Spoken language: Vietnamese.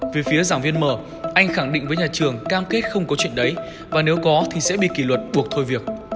về phía giảng viên m anh khẳng định với nhà trường cam kết không có chuyện đấy và nếu có thì sẽ bị kỷ luật buộc thôi việc